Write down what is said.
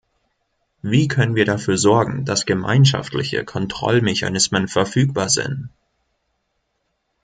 Wie können wir dafür sorgen, dass gemeinschaftliche Kontrollmechanismen verfügbar sind?